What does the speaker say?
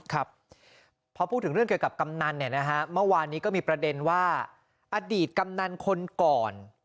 ครับพอพูดถึงเรื่องเกี่ยวกับกำนันเนี่ยนะฮะเมื่อวานนี้ก็มีประเด็นว่าอดีตกำนันคนก่อน